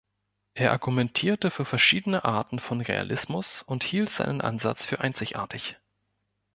Er argumentierte für verschiedene Arten von Realismus und hielt seinen Ansatz für einzigartig.